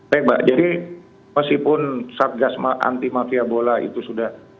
baik mbak jadi meskipun satgas anti mafia bola itu sudah